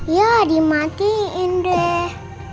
iya dimatiin deh